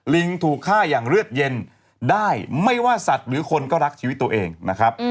ลิงถูกฆ่าอย่างเลือดเย็นได้ไม่ว่าสัตว์หรือคนก็รักชีวิตตัวเองนะครับ